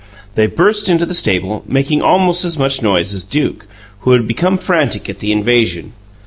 They burst into the stable, making almost as much noise as Duke, who had become frantic at the invasion.